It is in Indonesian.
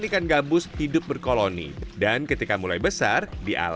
ada yang dijual bibitnya silahkan dibesarkan